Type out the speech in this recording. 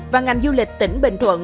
và ngành du lịch tỉnh bình thuận